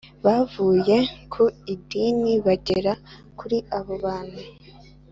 Bavuye ku idini bagera kuri Abo bantu